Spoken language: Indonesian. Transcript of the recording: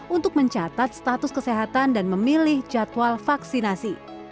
untuk mencatat status kesehatan dan memilih jadwal vaksinasi